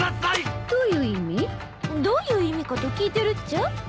どういう意味かと聞いてるっちゃ。